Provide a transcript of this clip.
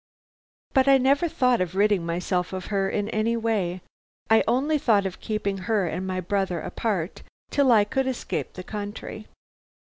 But I never thought of ridding myself of her in any way. I only thought of keeping her and my brother apart till I could escape the country.